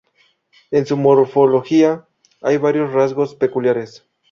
En su morfología hay varios rasgos peculiares.